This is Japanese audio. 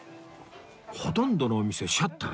ほとんどのお店シャッター